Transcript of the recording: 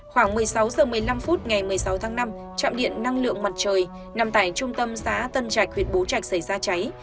khoảng một mươi sáu h một mươi năm phút ngày một mươi sáu tháng năm trạm điện năng lượng mặt trời nằm tại trung tâm xã tân trạch huyện bố trạch xảy ra cháy